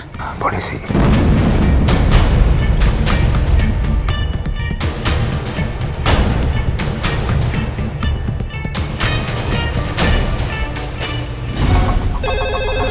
kita bisa bantu